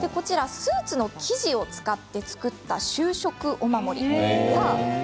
スーツの生地を使って作った就職お守り。